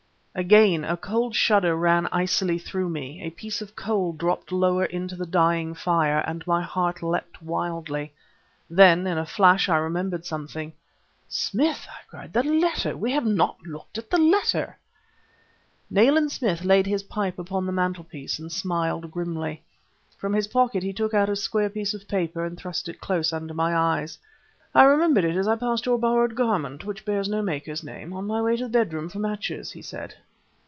Again a cold shudder ran icily through me. A piece of coal dropped lower into the dying fire and my heart leapt wildly. Then, in a flash, I remembered something. "Smith!" I cried, "the letter! We have not looked at the letter." Nayland Smith laid his pipe upon the mantelpiece and smiled grimly. From his pocket he took out square piece of paper, and thrust it close under my eyes. "I remembered it as I passed your borrowed garment which bear no maker's name on my way to the bedroom for matches," he said.